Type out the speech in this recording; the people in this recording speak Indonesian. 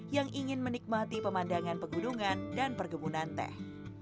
yang ingin menikmati pemandangan pegunungan dan perkebunan teh